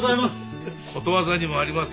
ことわざにもありますよ。